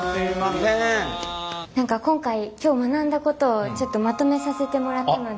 何か今回今日学んだことをちょっとまとめさせてもらったので。